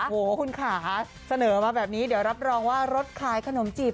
โอ้โหคุณค่ะเสนอมาแบบนี้เดี๋ยวรับรองว่ารถขายขนมจีบ